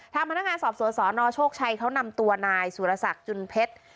ทางพนักงานสอบสวนสนโชคชัยเขานำตัวนายสุรศักดิ์จุนเพชร